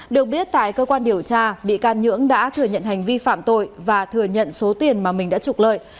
được biết tại cơ quan điều tra bị can nhưỡng đã thừa nhận hành vi phạm tội và thừa nhận số tiền mà mình đã trục lợi